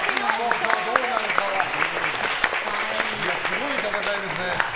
すごい戦いですね。